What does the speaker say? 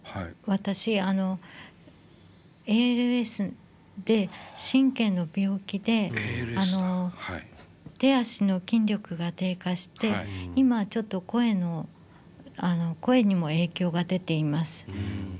私あのＡＬＳで神経の病気であの手足の筋力が低下して今ちょっと声にも影響が出ています。